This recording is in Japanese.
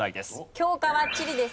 教科は地理です。